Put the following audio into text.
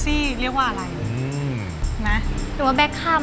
อียมขอบคุณครับ